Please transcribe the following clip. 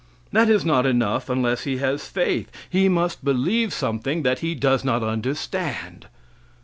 That is not enough unless he has faith; he must believe something that he does not understand.